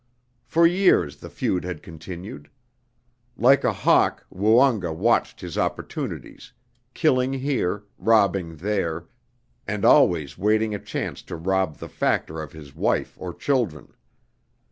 For years the feud had continued. Like a hawk Woonga watched his opportunities, killing here, robbing there, and always waiting a chance to rob the factor of his wife or children.